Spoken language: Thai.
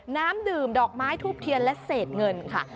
น้ำดื่มดอกไม้ทูบเทียนและเศษเงินค่ะ